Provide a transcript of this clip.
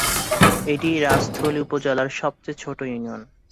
এটি রাজস্থলী উপজেলার সবচেয়ে ছোট ইউনিয়ন।